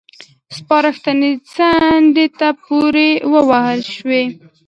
سپارښتنې څنډې ته پورې ووهل شوې.